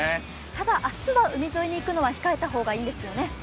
ただ明日は海沿いに行くのは控えた方がいいですね。